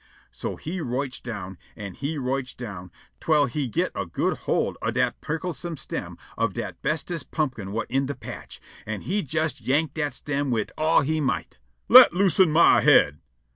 So he rotch' down, an' he rotch' down, twell he git' a good hold on dat pricklesome stem of dat bestest pumpkin whut in de patch, an' he jes yank' dat stem wid all he might. "_Let loosen my head!